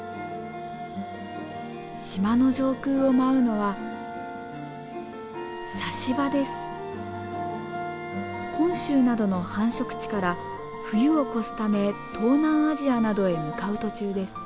島の上空を舞うのは本州などの繁殖地から冬を越すため東南アジアなどへ向かう途中です。